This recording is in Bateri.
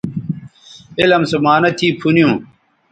علم سو معانہ تھی پُھنیوں